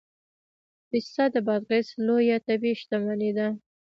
پسته د بادغیس لویه طبیعي شتمني ده